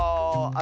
あ！